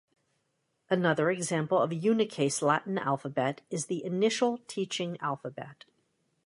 Another example of unicase Latin alphabet is the Initial Teaching Alphabet.